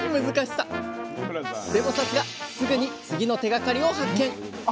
でもさすがすぐに次の手がかりを発見！